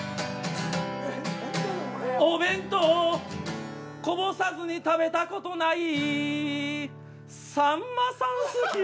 「お弁当こぼさずに食べたことない」「さんまさん好き」